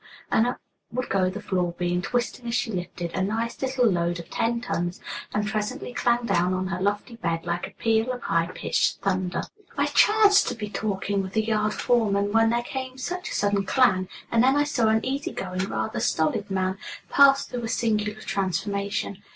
and up would go the floor beam, twisting as she lifted, a nice little load of ten tons, and presently clang down on her lofty bed like a peal of high pitched thunder. I chanced to be talking with the yard foreman when there came such a sudden clang, and then I saw an easy going, rather stolid man pass through a singular transformation.